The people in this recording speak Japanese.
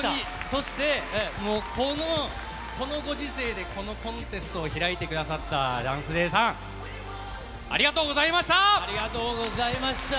そして、もうこのご時世でこのコンテストを開いてくださったＴＨＥＤＡＮＣＥＤＡＹさん、ありがとうございました。